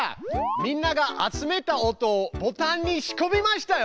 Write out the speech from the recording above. みんなが集めた音をボタンにしこみましたよ。